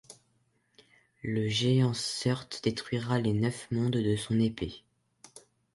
Le géant Surt détruira les neuf mondes de son épée.